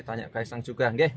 tanya kaisang juga